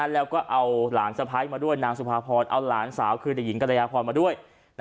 แล้วก็เอาหลานสะพ้ายมาด้วยนางสุภาพรเอาหลานสาวคือเด็กหญิงกรยาพรมาด้วย